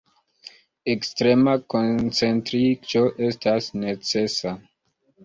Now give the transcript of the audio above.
Ekstrema koncentriĝo estas necesa.